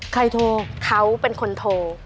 โทรเขาเป็นคนโทร